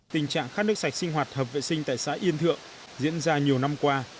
tình trạng khát nước sạch sinh hoạt hợp vệ sinh tại xã yên thượng diễn ra nhiều năm qua